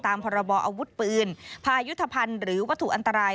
ตามปรอพยุทธภัณฑ์หรือวัตถุอันตราย